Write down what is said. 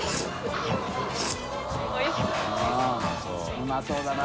うまそうだな。